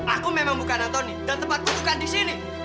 aku memang bukan anthony dan tempatku tukar di sini